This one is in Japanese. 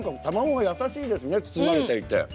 卵が優しいですね、包まれていて。